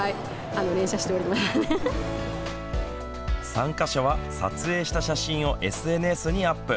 参加者は撮影した写真をＳＮＳにアップ。